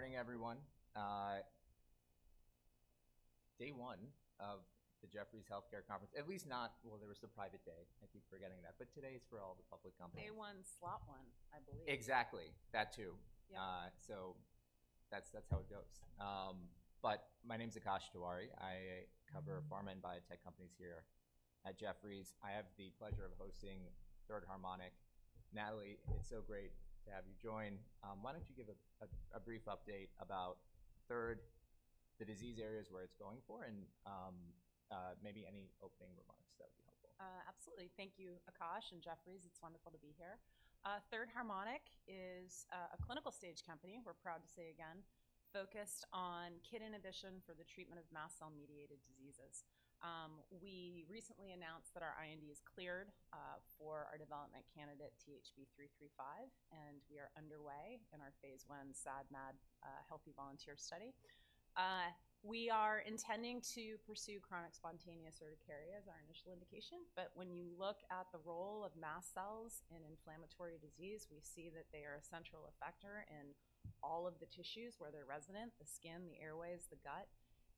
Good morning, everyone. Day one of the Jefferies Healthcare Conference. At least not. Well, there was the private day. I keep forgetting that, but today is for all the public companies. Day one, slot one, I believe. Exactly. That, too. Yeah. So that's how it goes. But my name's Akash Tewari. I cover pharma and biotech companies here at Jefferies. I have the pleasure of hosting Third Harmonic. Natalie, it's so great to have you join. Why don't you give a brief update about Third, the disease areas where it's going for, and maybe any opening remarks that would be helpful? Absolutely. Thank you, Akash and Jefferies. It's wonderful to be here. Third Harmonic is a clinical-stage company, we're proud to say again, focused on KIT inhibition for the treatment of mast cell-mediated diseases. We recently announced that our IND is cleared for our development candidate, THB-335, and we are underway in our phase I SAD/MAD healthy volunteer study. We are intending to pursue chronic spontaneous urticaria as our initial indication, but when you look at the role of mast cells in inflammatory disease, we see that they are a central effector in all of the tissues where they're resonant: the skin, the airways, the gut.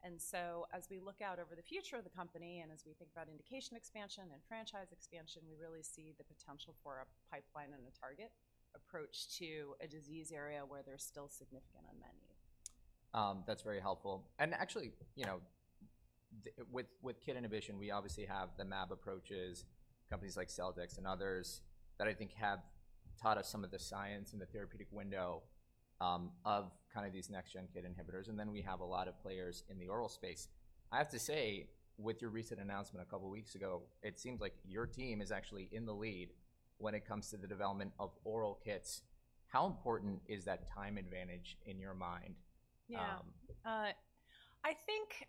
And so as we look out over the future of the company and as we think about indication expansion and franchise expansion, we really see the potential for a pipeline and a target approach to a disease area where there's still significant unmet need. That's very helpful. And actually, you know, with KIT inhibition, we obviously have the mAb approaches, companies like Celldex and others, that I think have taught us some of the science and the therapeutic window of kind of these next-gen KIT inhibitors. And then we have a lot of players in the oral space. I have to say, with your recent announcement a couple of weeks ago, it seems like your team is actually in the lead when it comes to the development of oral KITs. How important is that time advantage in your mind? Yeah. Um- I think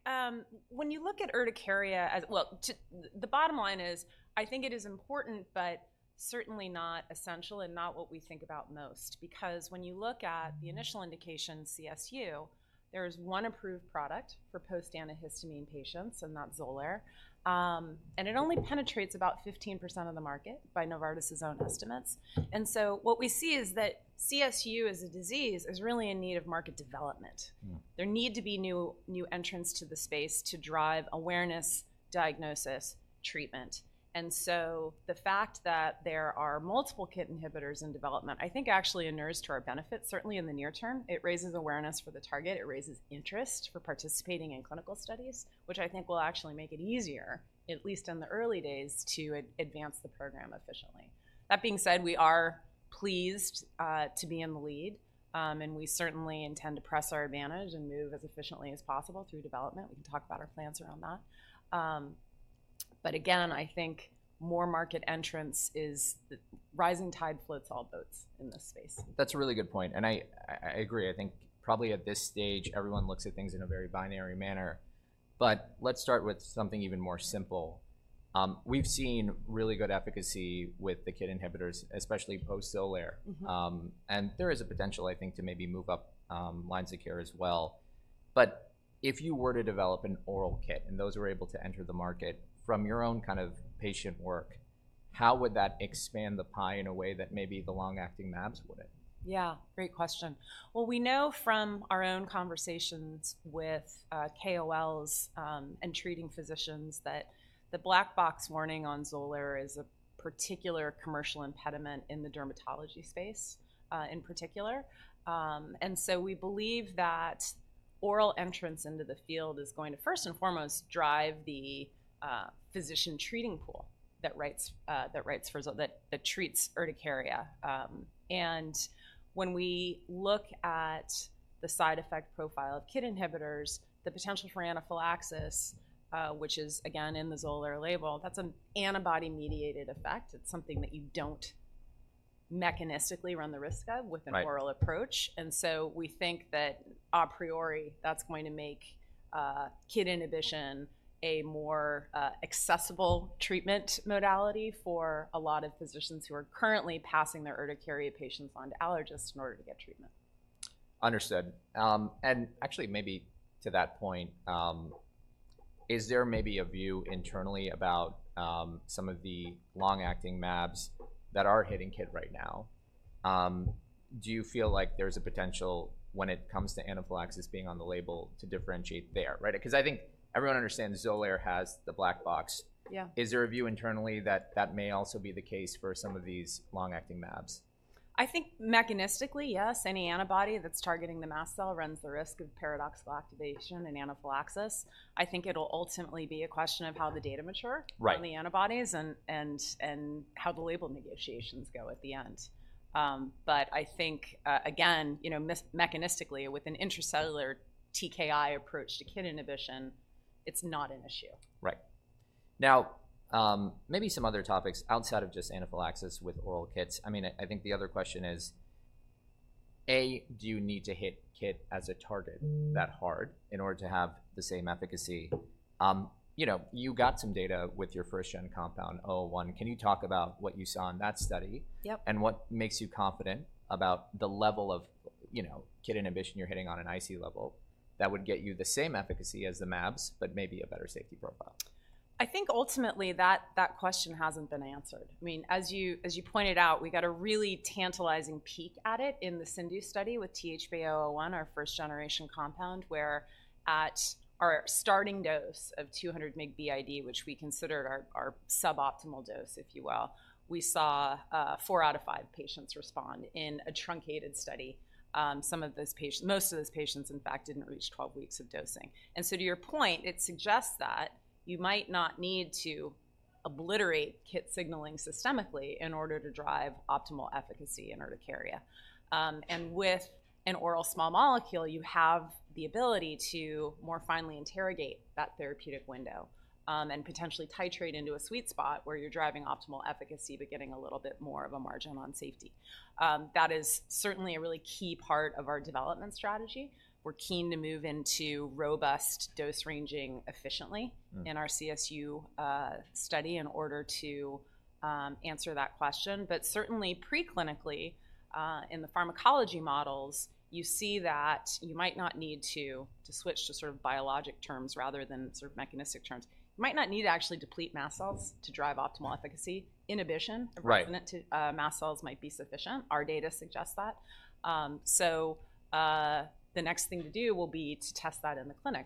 when you look at urticaria as well. To the bottom line is, I think it is important, but certainly not essential and not what we think about most. Because when you look at the initial indication, CSU, there is one approved product for post-antihistamine patients, and that's Xolair. And it only penetrates about 15% of the market by Novartis's own estimates. And so what we see is that CSU as a disease is really in need of market development. Mm-hmm. There need to be new entrants to the space to drive awareness, diagnosis, treatment. And so the fact that there are multiple KIT inhibitors in development, I think actually inures to our benefit, certainly in the near term. It raises awareness for the target, it raises interest for participating in clinical studies, which I think will actually make it easier, at least in the early days, to advance the program efficiently. That being said, we are pleased to be in the lead, and we certainly intend to press our advantage and move as efficiently as possible through development. We can talk about our plans around that. But again, I think more market entrants is the rising tide floats all boats in this space. That's a really good point, and I agree. I think probably at this stage, everyone looks at things in a very binary manner. But let's start with something even more simple. We've seen really good efficacy with the KIT inhibitors, especially post-Xolair. Mm-hmm. There is a potential, I think, to maybe move up, lines of care as well. But if you were to develop an oral KIT, and those were able to enter the market, from your own kind of patient work, how would that expand the pie in a way that maybe the long-acting mAbs would it? Yeah, great question. Well, we know from our own conversations with KOLs and treating physicians that the black box warning on Xolair is a particular commercial impediment in the dermatology space, in particular. And so we believe that oral entrants into the field is going to, first and foremost, drive the physician treating pool that treats urticaria. And when we look at the side effect profile of KIT inhibitors, the potential for anaphylaxis, which is again in the Xolair label, that's an antibody-mediated effect. It's something that you don't mechanistically run the risk of- Right... with an oral approach. And so we think that a priori, that's going to make KIT inhibition a more accessible treatment modality for a lot of physicians who are currently passing their urticaria patients on to allergists in order to get treatment. Understood. Actually, maybe to that point, is there maybe a view internally about some of the long-acting mAbs that are hitting KIT right now? Do you feel like there's a potential when it comes to anaphylaxis being on the label to differentiate there, right? Because I think everyone understands Xolair has the black box. Yeah. Is there a view internally that that may also be the case for some of these long-acting mAbs? I think mechanistically, yes, any antibody that's targeting the mast cell runs the risk of paradoxical activation and anaphylaxis. I think it'll ultimately be a question of how the data mature. Right... on the antibodies and how the label negotiations go at the end. But I think, again, you know, mechanistically, with an intracellular TKI approach to KIT inhibition, it's not an issue. Right. Now, maybe some other topics outside of just anaphylaxis with oral KITs. I mean, I think the other question is, do you need to hit KIT as a target that hard in order to have the same efficacy? You know, you got some data with your first-gen compound, THB-001. Can you talk about what you saw in that study? Yep. What makes you confident about the level of, you know, KIT inhibition you're hitting on an IC level that would get you the same efficacy as the mAbs, but maybe a better safety profile?... I think ultimately, that question hasn't been answered. I mean, as you pointed out, we got a really tantalizing peek at it in the CIndU study with THB-001, our first-generation compound, where at our starting dose of 200 mg BID, which we considered our suboptimal dose, if you will, we saw four out of five patients respond in a truncated study. Some of those patients, most of those patients, in fact, didn't reach 12 weeks of dosing. And so to your point, it suggests that you might not need to obliterate KIT signaling systemically in order to drive optimal efficacy in urticaria. With an oral small molecule, you have the ability to more finely interrogate that therapeutic window, and potentially titrate into a sweet spot where you're driving optimal efficacy, but getting a little bit more of a margin on safety. That is certainly a really key part of our development strategy. We're keen to move into robust dose-ranging efficiently- Mm. - in our CSU study in order to answer that question. But certainly, preclinically, in the pharmacology models, you see that you might not need to switch to sort of biologic terms rather than sort of mechanistic terms. You might not need to actually deplete mast cells to drive optimal efficacy. Inhibition- Right. - of mast cells might be sufficient. Our data suggests that. So, the next thing to do will be to test that in the clinic.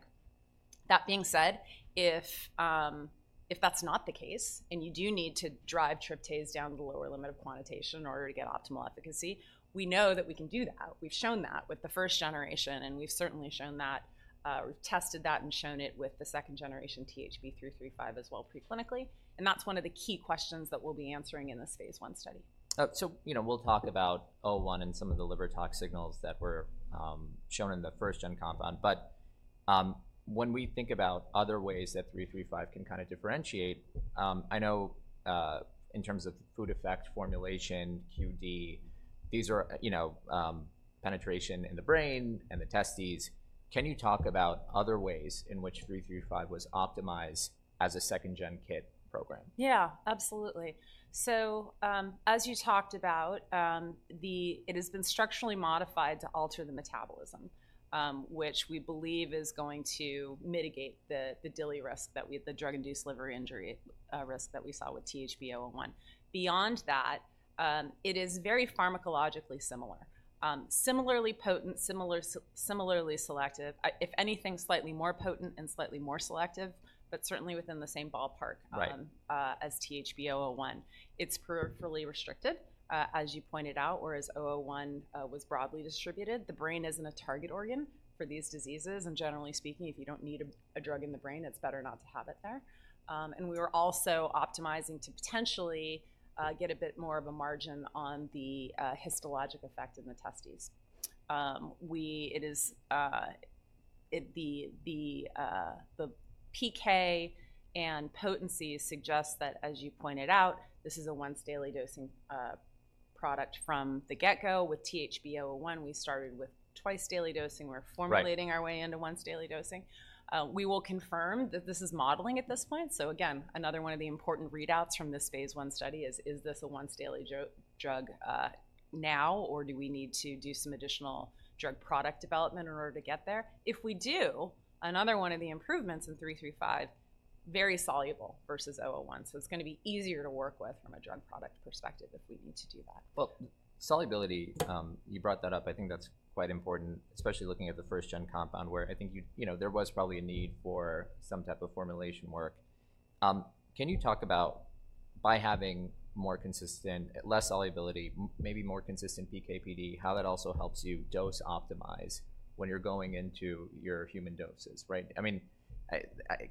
That being said, if that's not the case, and you do need to drive tryptase down to the lower limit of quantitation in order to get optimal efficacy, we know that we can do that. We've shown that with the first generation, and we've certainly shown that, we've tested that and shown it with the second generation, THB-335, as well, preclinically, and that's one of the key questions that we'll be answering in this phase I study. So, you know, we'll talk about 001 and some of the liver tox signals that were shown in the first gen compound. But, when we think about other ways that 335 can kinda differentiate, I know, in terms of food effect, formulation, QD, these are, you know, penetration in the brain and the testes. Can you talk about other ways in which 335 was optimized as a second-gen KIT program? Yeah, absolutely. So, as you talked about, it has been structurally modified to alter the metabolism, which we believe is going to mitigate the DILI risk, the drug-induced liver injury risk that we saw with THB-001. Beyond that, it is very pharmacologically similar. Similarly potent, similar, similarly selective, if anything, slightly more potent and slightly more selective, but certainly within the same ballpark- Right.... as THB-001. It's peripherally restricted, as you pointed out, whereas 001 was broadly distributed. The brain isn't a target organ for these diseases, and generally speaking, if you don't need a drug in the brain, it's better not to have it there. And we were also optimizing to potentially get a bit more of a margin on the histologic effect in the testes. The PK and potency suggest that, as you pointed out, this is a once-daily dosing product from the get-go. With THB-001, we started with twice-daily dosing. Right. We're formulating our way into once-daily dosing. We will confirm that this is modeling at this point. So again, another one of the important readouts from this phase I study is, is this a once-daily drug now, or do we need to do some additional drug product development in order to get there? If we do, another one of the improvements in 335, very soluble versus 001, so it's gonna be easier to work with from a drug product perspective if we need to do that. Well, solubility, you brought that up. I think that's quite important, especially looking at the first-gen compound, where I think, you know, there was probably a need for some type of formulation work. Can you talk about by having more consistent, less solubility, maybe more consistent PK/PD, how that also helps you dose optimize when you're going into your human doses, right? I mean,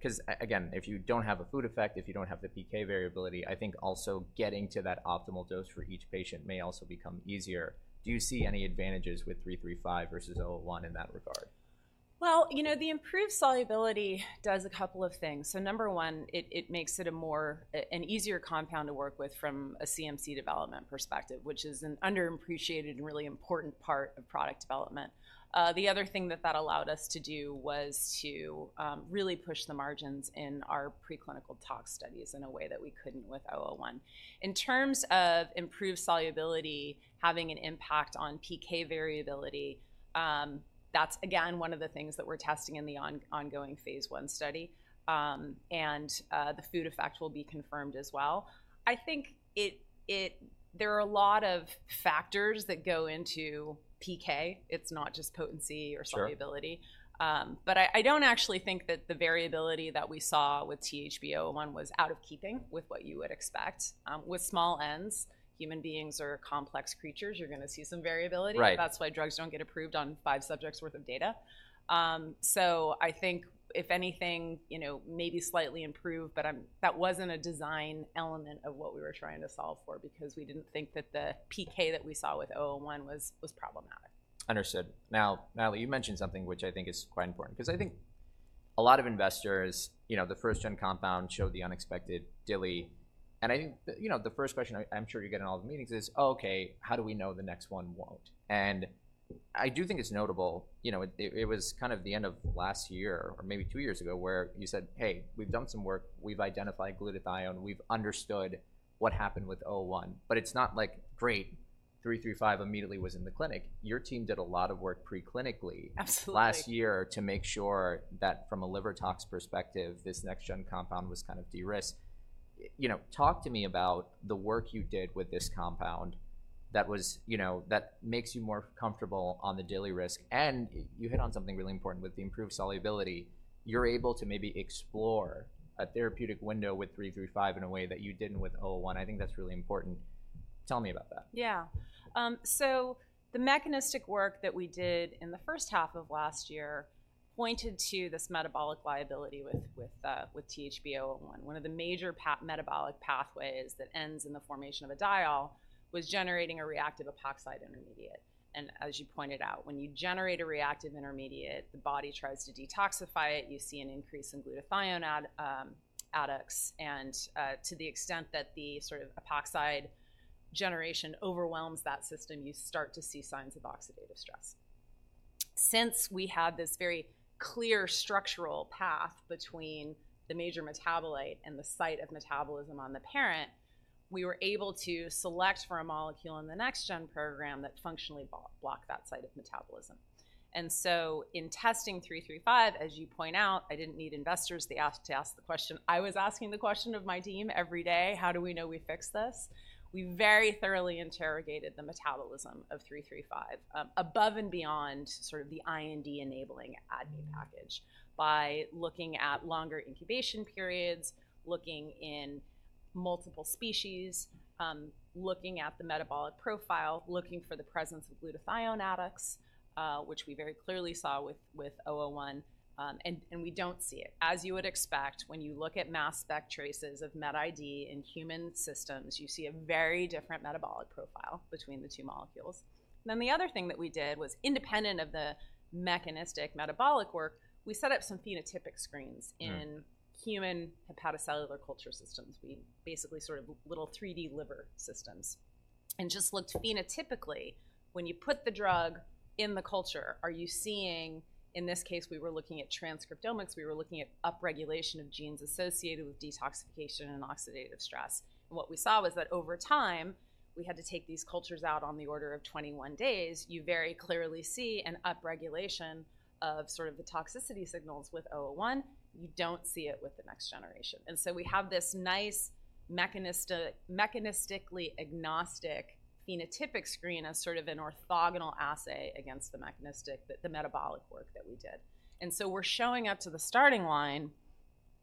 'cause again, if you don't have a food effect, if you don't have the PK variability, I think also getting to that optimal dose for each patient may also become easier. Do you see any advantages with 335 versus 001 in that regard? Well, you know, the improved solubility does a couple of things. So number one, it makes it a more, an easier compound to work with from a CMC development perspective, which is an underappreciated and really important part of product development. The other thing that that allowed us to do was to really push the margins in our preclinical tox studies in a way that we couldn't with 001. In terms of improved solubility having an impact on PK variability, that's again one of the things that we're testing in the ongoing phase I study. And the food effect will be confirmed as well. I think it. There are a lot of factors that go into PK. It's not just potency or solubility. Sure. But I don't actually think that the variability that we saw with THB-001 was out of keeping with what you would expect. With small n's, human beings are complex creatures. You're gonna see some variability. Right. That's why drugs don't get approved on 5 subjects' worth of data. So I think if anything, you know, maybe slightly improved, but that wasn't a design element of what we were trying to solve for because we didn't think that the PK that we saw with 001 was problematic. Understood. Now, Natalie, you mentioned something which I think is quite important because I think a lot of investors, you know, the first-gen compound showed the unexpected DILI, and I think, you know, the first question I'm sure you get in all the meetings is: "Oh, okay, how do we know the next one won't?" And I do think it's notable. You know, it was kind of the end of last year or maybe two years ago, where you said: "Hey, we've done some work. We've identified glutathione. We've understood what happened with 001." But it's not like 335 immediately was in the clinic. Your team did a lot of work pre-clinically. Absolutely. Last year to make sure that from a liver tox perspective, this next gen compound was kind of de-risked. You know, talk to me about the work you did with this compound that was, you know, that makes you more comfortable on the DILI risk. And you hit on something really important with the improved solubility. You're able to maybe explore a therapeutic window with 335 in a way that you didn't with 001. I think that's really important. Tell me about that. Yeah. So the mechanistic work that we did in the first half of last year pointed to this metabolic liability with THB-001. One of the major metabolic pathways that ends in the formation of a diol was generating a reactive epoxide intermediate. And as you pointed out, when you generate a reactive intermediate, the body tries to detoxify it. You see an increase in glutathione adducts, and to the extent that the sort of epoxide generation overwhelms that system, you start to see signs of oxidative stress. Since we had this very clear structural path between the major metabolite and the site of metabolism on the parent, we were able to select for a molecule in the next gen program that functionally block that site of metabolism. And so in testing 335, as you point out, I didn't need investors. They asked to ask the question. I was asking the question of my team every day: How do we know we fixed this? We very thoroughly interrogated the metabolism of 335, above and beyond sort of the IND-enabling ADME package by looking at longer incubation periods, looking in multiple species, looking at the metabolic profile, looking for the presence of glutathione adducts, which we very clearly saw with 001, and we don't see it. As you would expect, when you look at mass spec traces of MetID in human systems, you see a very different metabolic profile between the two molecules. Then the other thing that we did was independent of the mechanistic metabolic work, we set up some phenotypic screens- Mm. in human hepatocellular culture systems. We basically sort of little 3D liver systems, and just looked phenotypically, when you put the drug in the culture, are you seeing... In this case, we were looking at transcriptomics. We were looking at upregulation of genes associated with detoxification and oxidative stress. And what we saw was that over time, we had to take these cultures out on the order of 21 days. You very clearly see an upregulation of sort of the toxicity signals with 001. You don't see it with the next generation. And so we have this nice mechanistically agnostic phenotypic screen as sort of an orthogonal assay against the mechanistic, the metabolic work that we did. And so we're showing up to the starting line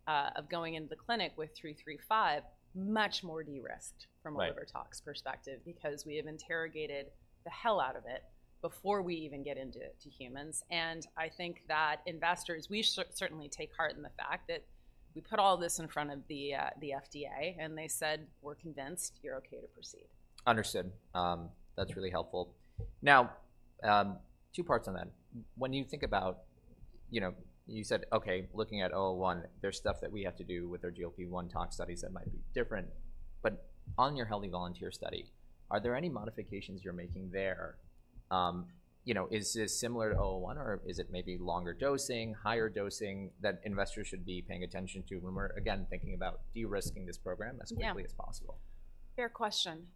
of going into the clinic with 335, much more de-risked from- Right... a liver tox perspective because we have interrogated the hell out of it before we even get into humans. I think that investors, we certainly take heart in the fact that we put all this in front of the FDA, and they said, "We're convinced you're okay to proceed. Understood. That's really helpful. Now, two parts on that. When you think about, you know, you said, "Okay, looking at THB-001, there's stuff that we have to do with our GLP tox studies that might be different." But on your healthy volunteer study, are there any modifications you're making there? You know, is this similar to THB-001, or is it maybe longer dosing, higher dosing that investors should be paying attention to when we're, again, thinking about de-risking this program as- Yeah... quickly as possible? Fair question.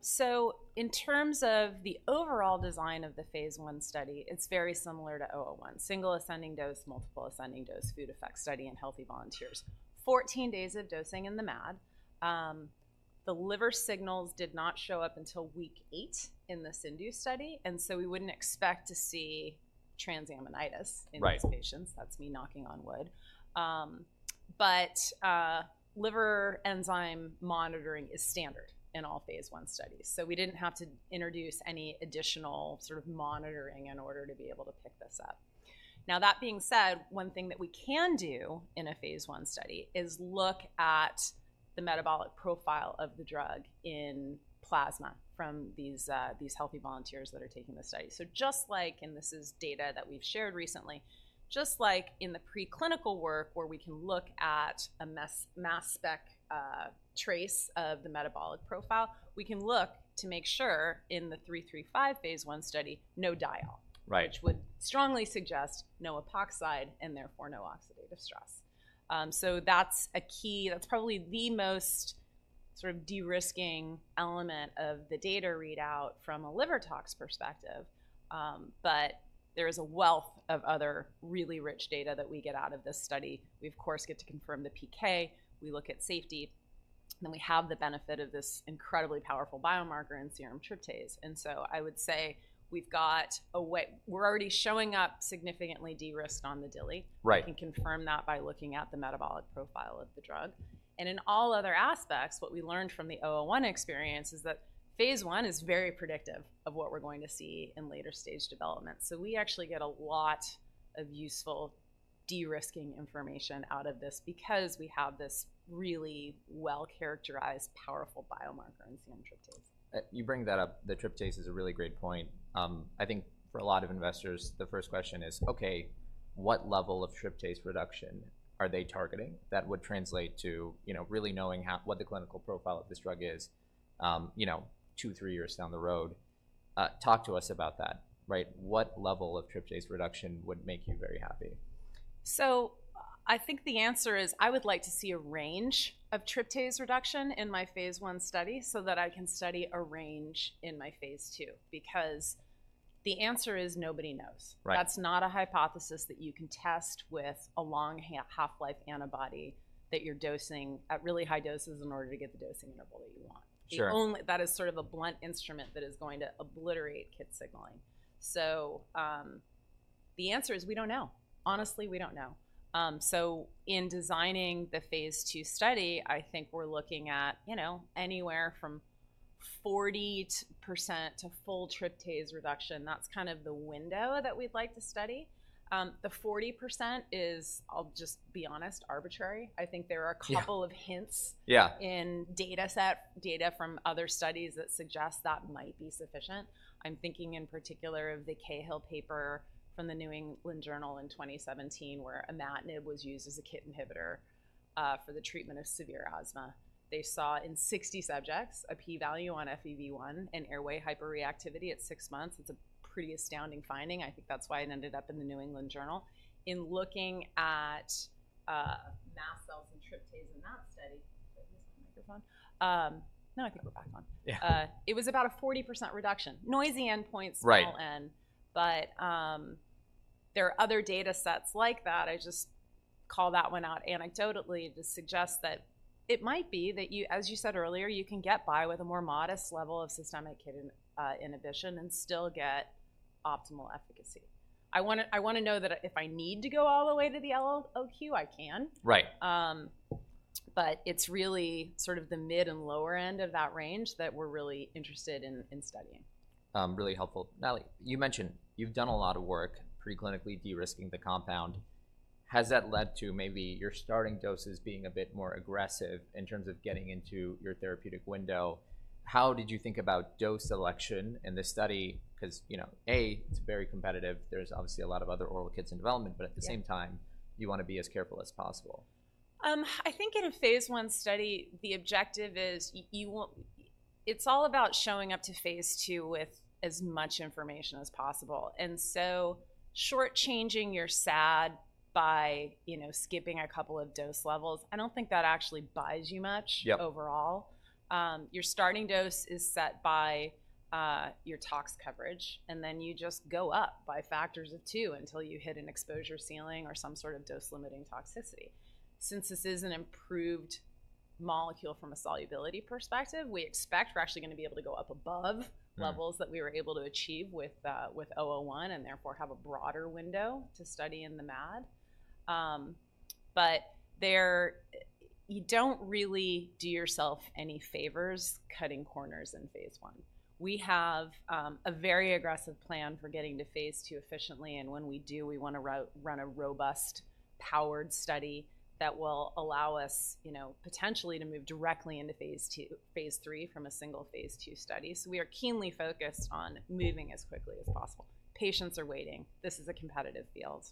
So in terms of the overall design of the phase I study, it's very similar to THB-001, single ascending dose, multiple ascending dose, food effect study in healthy volunteers. 14 days of dosing in the MAD. The liver signals did not show up until week 8 in the CIndU study, and so we wouldn't expect to see transaminitis in- Right... these patients. That's me knocking on wood. But liver enzyme monitoring is standard in all phase I studies, so we didn't have to introduce any additional sort of monitoring in order to be able to pick this up. Now, that being said, one thing that we can do in a phase I study is look at the metabolic profile of the drug in plasma from these healthy volunteers that are taking the study. So just like, and this is data that we've shared recently, just like in the preclinical work, where we can look at a mass spec trace of the metabolic profile, we can look to make sure in the 335 phase I study, no diol- Right... which would strongly suggest no epoxide and therefore no oxidative stress. So that's a key—that's probably the most sort of de-risking element of the data readout from a liver tox perspective. But there is a wealth of other really rich data that we get out of this study. We, of course, get to confirm the PK, we look at safety, and then we have the benefit of this incredibly powerful biomarker and serum tryptase. And so I would say we've got a way—we're already showing up significantly de-risked on the DILI. Right. We can confirm that by looking at the metabolic profile of the drug. And in all other aspects, what we learned from the THB-001 experience is that phase I is very predictive of what we're going to see in later stage development. So we actually get a lot of useful de-risking information out of this because we have this really well-characterized, powerful biomarker in serum tryptase. You bring that up. The tryptase is a really great point. I think for a lot of investors, the first question is: Okay, what level of tryptase reduction are they targeting that would translate to, you know, really knowing what the clinical profile of this drug is, you know, 2, 3 years down the road? Talk to us about that, right? What level of tryptase reduction would make you very happy? I think the answer is I would like to see a range of tryptase reduction in my phase I study so that I can study a range in my phase II, because the answer is nobody knows. Right. That's not a hypothesis that you can test with a long half-life antibody that you're dosing at really high doses in order to get the dosing level that you want. Sure. That is sort of a blunt instrument that is going to obliterate KIT signaling. So, the answer is we don't know. Honestly, we don't know. So in designing the phase II study, I think we're looking at, you know, anywhere from 40% to full tryptase reduction. That's kind of the window that we'd like to study. The 40% is, I'll just be honest, arbitrary. I think there are- Yeah... a couple of hints- Yeah - in dataset data from other studies that suggest that might be sufficient. I'm thinking in particular of the Cahill paper from the New England Journal in 2017, where imatinib was used as a KIT inhibitor for the treatment of severe asthma. They saw in 60 subjects a P value on FEV1 and airway hyperreactivity at six months. It's a pretty astounding finding. I think that's why it ended up in the New England Journal. In looking at mast cells and tryptase in that study—Did I lose my microphone? No, I think we're back on. Yeah. It was about a 40% reduction. Noisy endpoint, small n- Right... but, there are other data sets like that. I just call that one out anecdotally to suggest that it might be that you, as you said earlier, you can get by with a more modest level of systemic KIT inhibition and still get optimal efficacy. I wanna, I wanna know that if I need to go all the way to the LOQ, I can. Right. But it's really sort of the mid and lower end of that range that we're really interested in, in studying. Really helpful. Natalie, you mentioned you've done a lot of work preclinically de-risking the compound. Has that led to maybe your starting doses being a bit more aggressive in terms of getting into your therapeutic window? How did you think about dose selection in this study? Because, you know, A, it's very competitive. There's obviously a lot of other oral KITs in development, but at the same time- Yeah... you wanna be as careful as possible. I think in a phase I study, the objective is you want. It's all about showing up to phase II with as much information as possible, and so short-changing your SAD by, you know, skipping a couple of dose levels. I don't think that actually buys you much. Yep... overall. Your starting dose is set by your tox coverage, and then you just go up by factors of two until you hit an exposure ceiling or some sort of dose-limiting toxicity. Since this is an improved molecule from a solubility perspective, we expect we're actually gonna be able to go up above- Mm ... levels that we were able to achieve with 001, and therefore, have a broader window to study in the MAD. But you don't really do yourself any favors cutting corners in phase I. We have a very aggressive plan for getting to phase II efficiently, and when we do, we wanna run a robust, powered study that will allow us, you know, potentially to move directly into phase II phase III from a single phase II study. So we are keenly focused on moving as quickly as possible. Patients are waiting. This is a competitive field.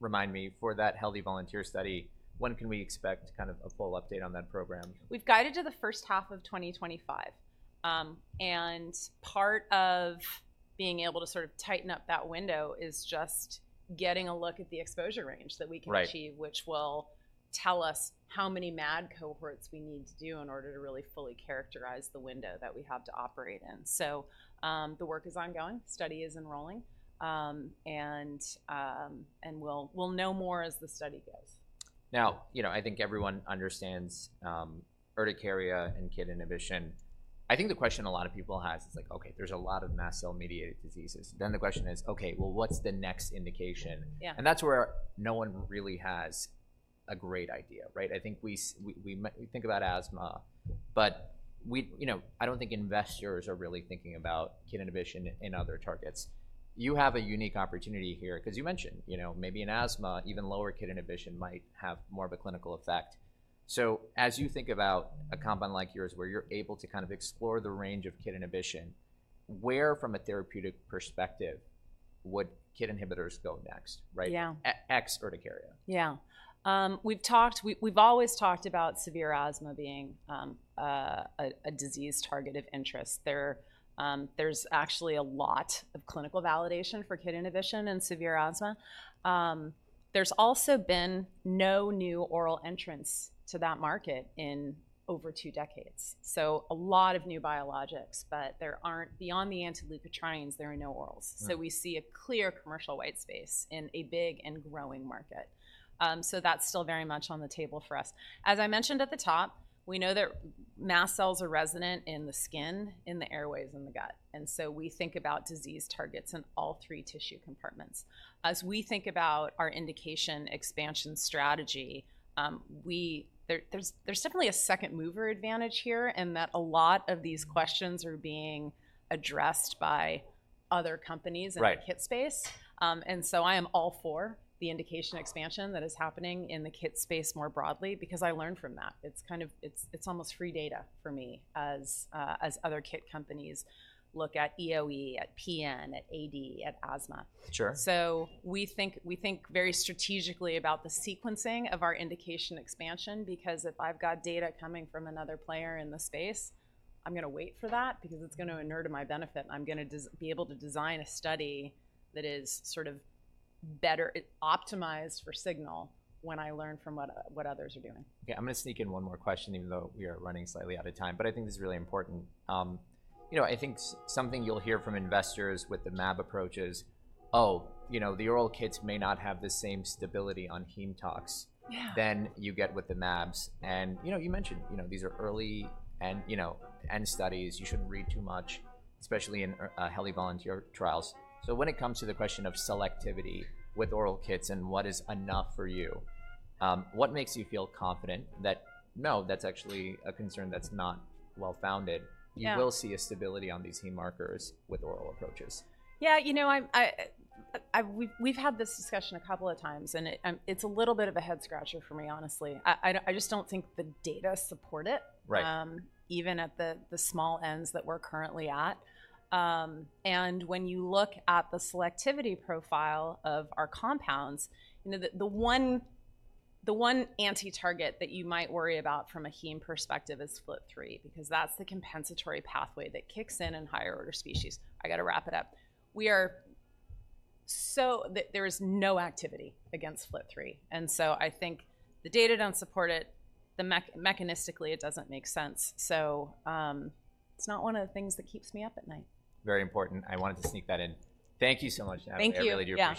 Remind me, for that healthy volunteer study, when can we expect kind of a full update on that program? We've guided to the first half of 2025. And part of being able to sort of tighten up that window is just getting a look at the exposure range that we can achieve- Right... which will tell us how many MAD cohorts we need to do in order to really fully characterize the window that we have to operate in. So, the work is ongoing. Study is enrolling. We'll know more as the study goes. Now, you know, I think everyone understands, urticaria and KIT inhibition. I think the question a lot of people have is like, okay, there's a lot of mast cell-mediated diseases. Then the question is, okay, well, what's the next indication? Yeah. That's where no one really has a great idea, right? I think we think about asthma, but you know, I don't think investors are really thinking about KIT inhibition in other targets. You have a unique opportunity here because you mentioned, you know, maybe in asthma, even lower KIT inhibition might have more of a clinical effect. So as you think about a compound like yours, where you're able to kind of explore the range of KIT inhibition, where, from a therapeutic perspective, would KIT inhibitors go next, right? Yeah. Ex urticaria. Yeah. We've talked—we've always talked about severe asthma being a disease target of interest. There's actually a lot of clinical validation for KIT inhibition in severe asthma. There's also been no new oral entrants to that market in over two decades. So a lot of new biologics, but there aren't—beyond the anti-leukotrienes, there are no orals. Mm. So we see a clear commercial white space in a big and growing market. So that's still very much on the table for us. As I mentioned at the top, we know that mast cells are resident in the skin, in the airways, and the gut, and so we think about disease targets in all three tissue compartments. As we think about our indication expansion strategy, there's definitely a second mover advantage here, in that a lot of these questions are being addressed by other companies. Right... in the KIT space. And so I am all for the indication expansion that is happening in the KIT space more broadly because I learn from that. It's kind of. It's almost free data for me as other KIT companies look at EoE, at PN, at AD, at asthma. Sure. So we think, we think very strategically about the sequencing of our indication expansion, because if I've got data coming from another player in the space, I'm gonna wait for that because it's gonna inure to my benefit, and I'm gonna be able to design a study that is sort of better optimized for signal when I learn from what others are doing. Okay, I'm gonna sneak in one more question, even though we are running slightly out of time, but I think this is really important. You know, I think something you'll hear from investors with the mAb approaches, oh, you know, the oral KITs may not have the same stability on heme tox- Yeah... than you get with the mAbs. And, you know, you mentioned, you know, these are early, and, you know, end studies, you shouldn't read too much, especially in healthy volunteer trials. So when it comes to the question of selectivity with oral KITs and what is enough for you, what makes you feel confident that, no, that's actually a concern that's not well-founded? Yeah. You will see a stability on these heme markers with oral approaches. Yeah, you know, we've had this discussion a couple of times, and it's a little bit of a head-scratcher for me, honestly. I just don't think the data support it- Right... even at the small ends that we're currently at. And when you look at the selectivity profile of our compounds, you know, the one anti-target that you might worry about from a heme perspective is FLT3, because that's the compensatory pathway that kicks in in higher order species. I gotta wrap it up. So there is no activity against FLT3, and so I think the data don't support it. Mechanistically, it doesn't make sense. So, it's not one of the things that keeps me up at night. Very important. I wanted to sneak that in. Thank you so much, Natalie. Thank you. I really do appreciate it.